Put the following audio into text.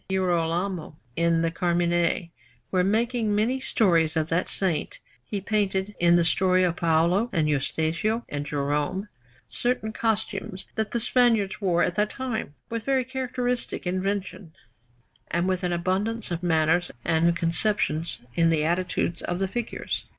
Girolamo in the Carmine, where, making many stories of that Saint, he painted, in the story of Paola and Eustachio and Jerome, certain costumes that the Spaniards wore at that time, with very characteristic invention, and with an abundance of manners and conceptions in the attitudes of the figures.